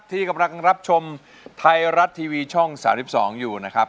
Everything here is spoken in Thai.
ที่กำลังรับชมไทยรัฐทีวีช่อง๓๒อยู่นะครับ